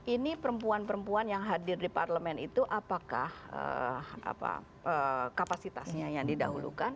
ini perempuan perempuan yang hadir di parlemen itu apakah kapasitasnya yang didahulukan